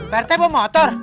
pak rete mau motor